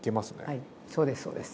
はいそうですそうです。